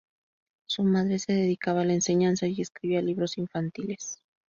Su madre se dedicaba a la enseñanza y escribía libros infantiles.